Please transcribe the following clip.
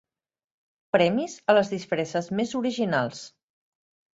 Premis a les disfresses més originals.